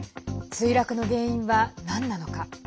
墜落の原因はなんなのか。